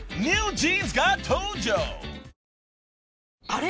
あれ？